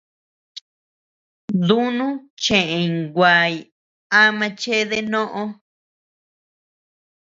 Dúnu cheʼeñ nguay ama chéde nóʼö.